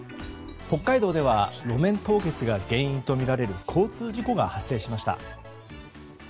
北海道では路面凍結が原因とみられる交通事故が発生しました。